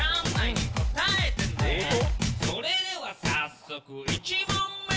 「それでは早速１問目」